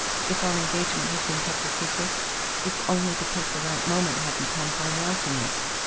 If our engagement has been kept a secret, it's only because the right moment hadn't come for announcing it.